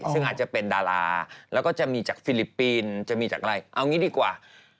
ซึ่งอาจจะเป็นดาราแล้วก็จะมีจากฟิลิปปินส์จะมีจากอะไรเอางี้ดีกว่า